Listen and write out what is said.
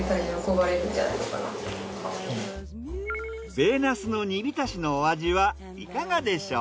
米ナスの煮びたしのお味はいかがでしょう？